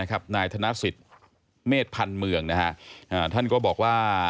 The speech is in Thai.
ทนาศิษย์เมษพันธุ์เมืองท่านก็บอกว่า